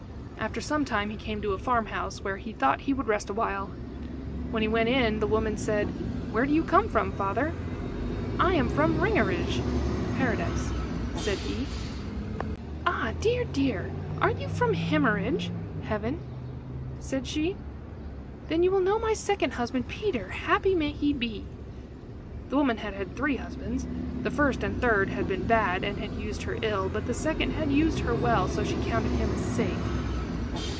After some time he came to a farm house, where he thought he would rest a while. When he went in the woman said "Where do you come from, father?" "I am from Ringerige (Paradise)," said he. "Ah! dear, dear! Are you from Himmerige (Heaven)?" said she. "Then you will know my second husband, Peter; happy may he be!" The woman had had three husbands. The first and third had been bad and had used her ill, but the second had used her well, so she counted him as safe.